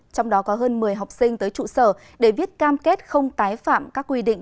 trong đó có hơn một mươi học sinh tới trụ sở để viết cam kết không tái phạm các quy định